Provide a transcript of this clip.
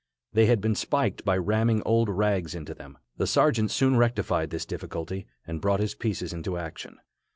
They had been spiked by ramming old rags into them. The sergeant soon rectified this difficulty, and brought his pieces into action.